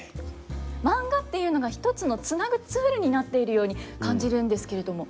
マンガっていうのが一つのつなぐツールになっているように感じるんですけれども。